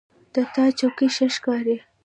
د تا چوکۍ ښه ښکاري